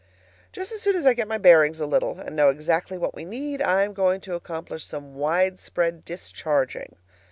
Just as soon as I get my bearings a little, and know exactly what we need, I am going to accomplish some widespread discharging.